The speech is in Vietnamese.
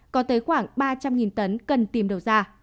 có tới khoảng ba trăm linh tấn cần tìm đầu ra